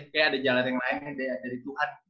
kayak ada jalan yang lain dari tuhan